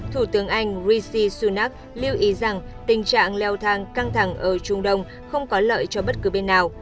thủ tướng anh rishi sunak lưu ý rằng tình trạng leo thang căng thẳng ở trung đông không có lợi cho bất cứ bên nào